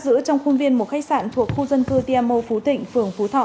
giữ trong khuôn viên một khách sạn thuộc khu dân cư tiamo phú tịnh phường phú thọ